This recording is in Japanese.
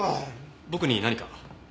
僕に何か？